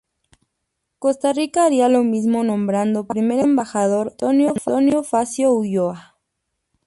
Costa Rica haría lo mismo nombrando primer embajador a Antonio Facio Ulloa.